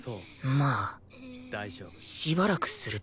まあしばらくすると